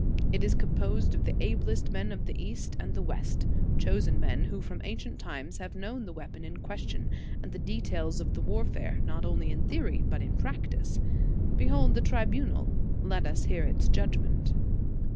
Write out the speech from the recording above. It is composed of the ablest men of the East and the West; chosen men, who, from ancient times have known the weapon in question, and the details of the warfare, not only in theory but in practice. Behold the tribunal; let us hear its judgment.